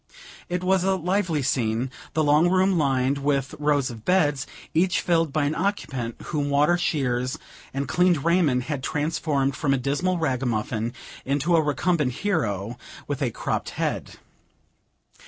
It was a lively scene; the long room lined with rows of beds, each filled by an occupant, whom water, shears, and clean raiment, had transformed from a dismal ragamuffin into a recumbent hero, with a cropped head.